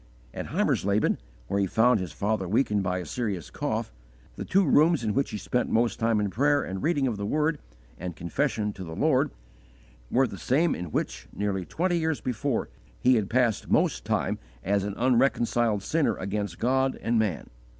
At Heimersleben, where he found his father weakened by a serious cough, the two rooms in which he spent most time in prayer and reading of the Word, and confession of the Lord, were the same in which, nearly twenty years before, he had passed most time as an unreconciled sinner against God and man.